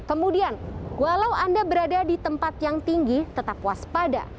kemudian walau anda berada di tempat yang tinggi tetap waspada